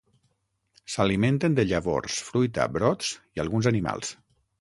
S'alimenten de llavors, fruita, brots i alguns animals.